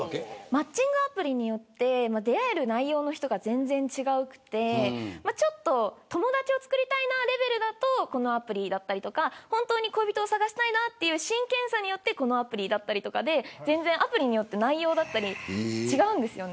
マッチングアプリによって出会える内容の人が全然違って友達を作りたいなってレベルだとこのアプリだったりとか本当に恋人を探したいなという真剣さによってこのアプリだったりとかでアプリにより内容が違うんです。